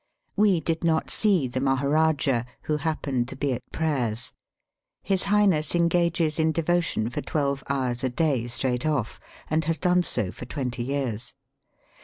We did not see the Maharajah, who happened to be at prayers. His Highness engages in devotion for twelve hours a day straight off, and has done so for twenty years.